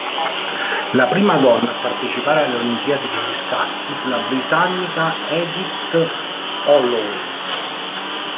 La prima donna a partecipare alle Olimpiadi degli scacchi fu la britannica Edith Holloway.